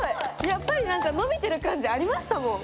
やっぱりなんかのびてる感じありましたもん。